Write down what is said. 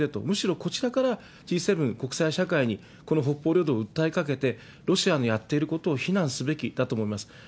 むしろこちらからＧ７、国際社会にこの北方領土を訴えかけて、ロシアのやっていることを非難すべきだと思います。